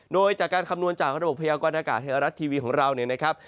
โดยจากการคำนวณจังหากระบบพระเยาควรอากาศเทลารัชทีวีหรอกว่า